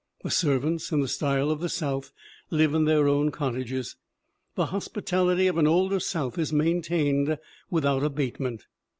The servants, in the style of the South, live in their own cottages. The hospitality of an older South is maintained without abatement.